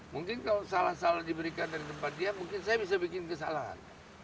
mungkin kalau salah salah diberikan dari tempat dia mungkin saya bisa bikin kesalahan